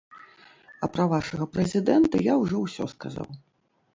А пра вашага прэзідэнта я ўжо ўсё сказаў.